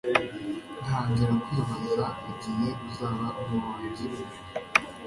ntangira kwibaza igihe uzaba uruwanjye